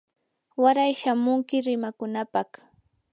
waray shamunki rimakunapaq.